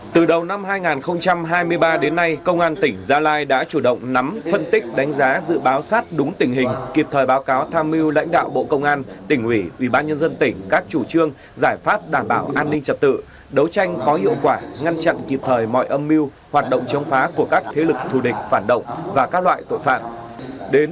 từ đầu năm hai nghìn hai mươi ba đến nay công an tỉnh gia lai đã chủ động nắm phân tích đánh giá dự báo sát đúng tình hình kịp thời báo cáo tham mưu lãnh đạo bộ công an tỉnh ủy ubnd tỉnh các chủ trương giải pháp đảm bảo an ninh trật tự đấu tranh có hiệu quả ngăn chặn kịp thời mọi âm mưu hoạt động chống phá của các thế lực thù địch phản động và các loại tội phạm